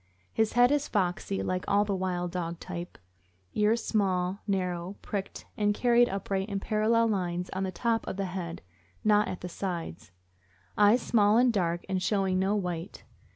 His head is foxy, like all the wild dog type; ears small, narrow, pricked, and carried upright in parallel lines on the top of the head, not at the sides. Eyes small and dark, and showing no white.